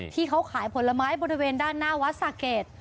ที่เขาขายผลไม้บริเวณด้านหน้าวัดสะเกด